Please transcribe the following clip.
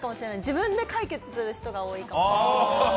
自分で解決する人が多いかもしれない。